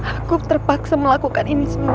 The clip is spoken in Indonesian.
aku terpaksa melakukan ini semua